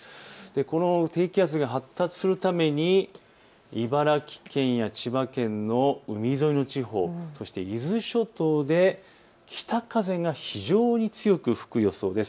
この低気圧が発達するために茨城県や千葉県の海沿いの地方、そして伊豆諸島で北風が非常に強く吹く予想です。